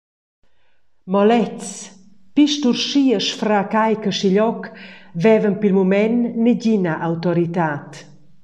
Mo lezs, pli sturschi e sfraccai che schiglioc, vevan pil mument negina autoritad.